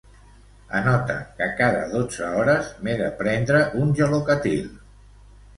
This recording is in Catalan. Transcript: Anota que cada dotze hores m'he de prendre un Gelocatil.